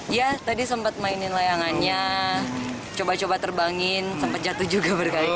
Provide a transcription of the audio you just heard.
ya tadi sempat mainin layangannya coba coba terbangin sempat jatuh juga berkali